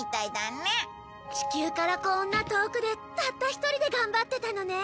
地球からこんな遠くでたった一人で頑張ってたのね。